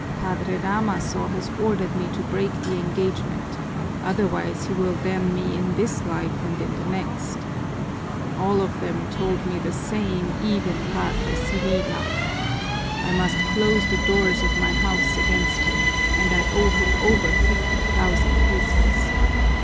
Padre Damaso has ordered me to break the engagement, otherwise he will damn me in this life and in the next. All of them told me the same, even Padre Sibyla. I must close the doors of my house against him, and I owe him over fifty thousand pesos!